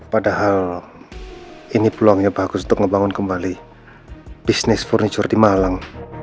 padahal ini peluangnya bagus untuk ngebangun kembali bisnis furniture di malang